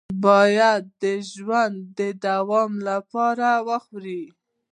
انسان باید د ژوند د دوام لپاره وخوري